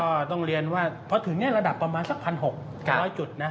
ก็ต้องเรียนว่าพอถึงระดับประมาณสัก๑๖๐๐จุดนะ